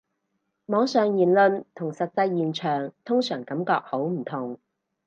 網上言論同實際現場通常感覺好唔同